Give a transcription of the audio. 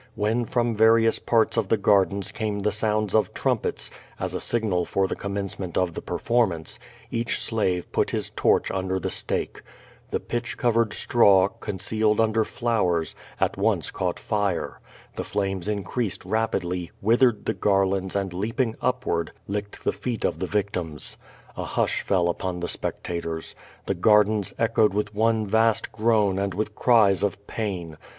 AVlien from various parts of the gardens came the sounds of trumpets, as a signal for the com mencement of the performance, each slave put his torch under the stake. The pitch covered straw, concealed under flowers, at once caught fire. The flames increased rapidly, withered the garlands and leaping upward licked the feet of the victims A hush fell upon the spectators. The gardens echoed with one vast groan and with cries of pain.